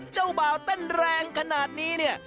เจ้าบ่าวตั้นแรงขนาดนี้